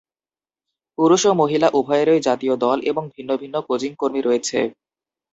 পুরুষ ও মহিলা উভয়েরই জাতীয় দল এবং ভিন্ন ভিন্ন কোচিং কর্মী রয়েছে।